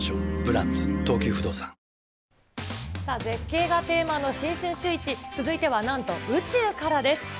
絶景がテーマの新春シューイチ、続いてはなんと、宇宙からです。